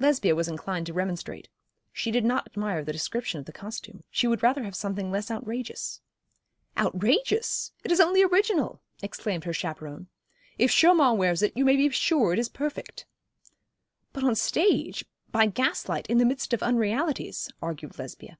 Lesbia was inclined to remonstrate. She did not admire the description of the costume, she would rather have something less outrageous. 'Outrageous! It is only original,' exclaimed her chaperon. 'If Chaumont wears it you may be sure it is perfect.' 'But on the stage, by gaslight, in the midst of unrealities,' argued Lesbia.